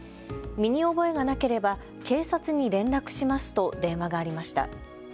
身に覚えがなければ警察に連絡しますと電話がありました。